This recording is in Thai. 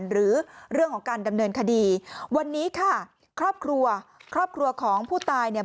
หรือเรื่องของการดำเนินคดีวันนี้ค่ะครอบครัวครอบครัวของผู้ตายเนี่ย